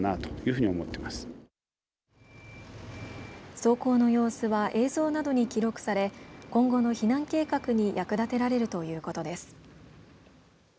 走行の様子は映像などに記録され今後の避難計画に役立てられるということです。